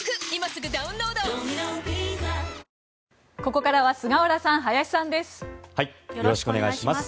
ここからは菅原さん、林さんです。